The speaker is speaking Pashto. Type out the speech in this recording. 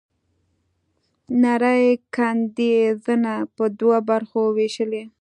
نرۍ کندې يې زنه په دوو برخو وېشلې.